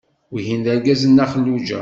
Wihin d argaz n Nna Xelluǧa.